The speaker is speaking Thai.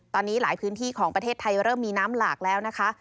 ตอนนี้หลายพื้นที่ของประเทศไทยเริ่มมีน้ำหลากแล้วนะคะ